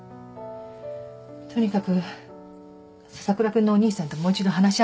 とにかく笹倉君のお兄さんともう一度話し合いなさい。